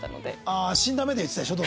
ああ死んだ目で言ってたでしょ？